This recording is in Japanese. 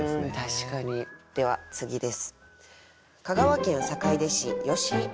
では次です。